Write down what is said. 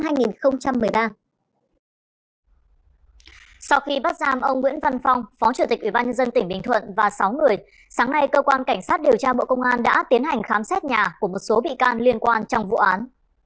sau khi bắt giam ông nguyễn văn phong phó chủ tịch ubnd tỉnh bình thuận và sáu người sáng nay cơ quan cảnh sát điều tra bộ công an đã tiến hành khám xét nhà của một số bị can liên quan trong vụ án